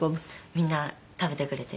みんな食べてくれて。